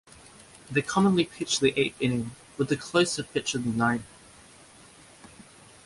They commonly pitch the eighth inning, with the closer pitching the ninth.